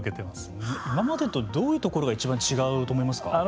今までとどういうところがいちばん違うと思いますか。